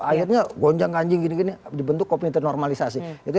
akhirnya gonjang ganjing gini gini dibentuk komite normalisasi